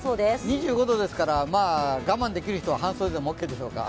２５度ですから、我慢できる人は半袖でももつでしょうか。